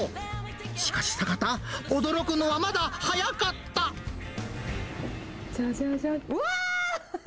しかし、坂田、驚くのはまだ早かじゃじゃじゃーん、うわー！